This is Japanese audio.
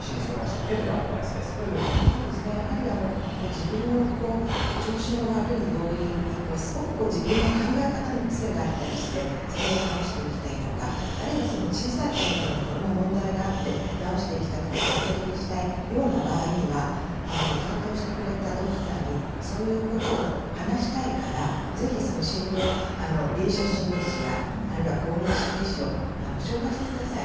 自分の調子の悪い要因にすごく自分の考え方の癖があったりしてそれを直したいとか小さいころからいろいろな問題があって直したくてカウンセリングしたような場合には担当してくれたドクターにそういうことを話したいから臨床心理士や公認心理師を紹介してください